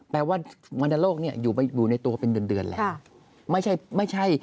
แปลว่าวัณโลกอยู่ในตัวเป็นเดือนแหละ